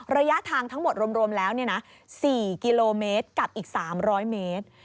ระยะทางทั้งหมดรวมแล้ว๔กิโลเมตรกับอีก๓๐๐เมตร